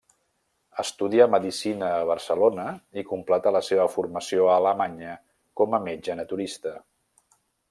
Estudià medicina a Barcelona i completà la seva formació a Alemanya com a metge naturista.